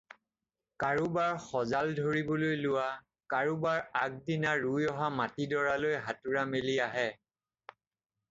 কাৰোবাৰ সঁজাল ধৰিবলৈ লোৱা, কাৰোবাৰ আগদিনা ৰুই অহা মাটিডৰালৈ হাতোৰা মেলি আহে।